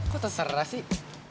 kok terserah sih